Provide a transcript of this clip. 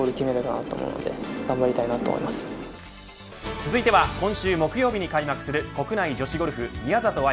続いては今週木曜日に開幕する国内女子ゴルフ宮里藍